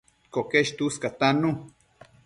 Coquesh tuscatannu